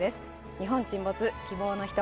「日本沈没−希望のひと−」